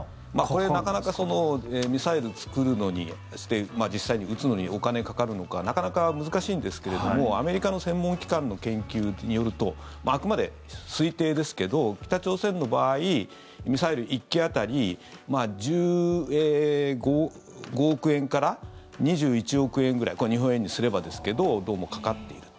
これ、なかなかミサイル作るのにそして、実際に撃つのにお金かかるのかなかなか難しいんですけれどもアメリカの専門機関の研究によるとあくまで推定ですけど北朝鮮の場合ミサイル１機当たり１５億円から２１億円ぐらいこれ、日本円にすればですけどどうもかかっている。